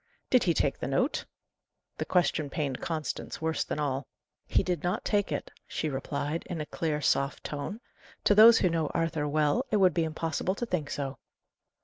"Did he take the note?" The question pained Constance worse than all. "He did not take it," she replied, in a clear, soft tone. "To those who know Arthur well, it would be impossible to think so."